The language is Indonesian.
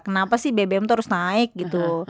kenapa sih bbm itu harus naik gitu